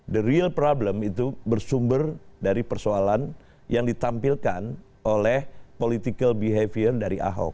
the real problem itu bersumber dari persoalan yang ditampilkan oleh political behavior dari ahok